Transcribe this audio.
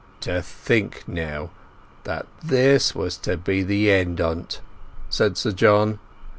"To think, now, that this was to be the end o't!" said Sir John.